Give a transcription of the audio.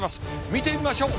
見てみましょう。